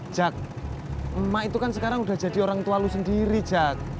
jack emak itu kan sekarang udah jadi orang tua lo sendiri jack